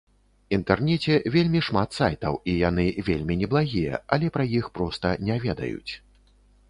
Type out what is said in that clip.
Інтэрнеце вельмі шмат сайтаў і яны вельмі неблагія, але пра іх проста не ведаюць.